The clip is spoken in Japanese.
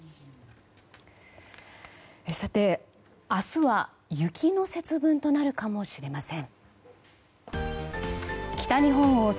さて、明日は雪の節分となるかもしれません。